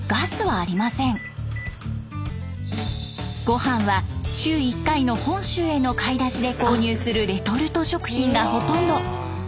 ごはんは週１回の本州への買い出しで購入するレトルト食品がほとんど。